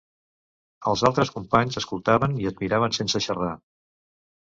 Els altres companys escoltaven i es miraven sense xarrar.